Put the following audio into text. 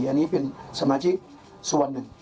อันนี้เป็นสมาชิกส่วนหนึ่ง